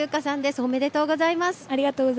おめでとうございます。